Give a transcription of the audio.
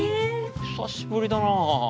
久しぶりだなぁ。